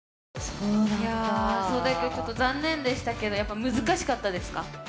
壮大くんちょっと残念でしたけどやっぱ難しかったですか？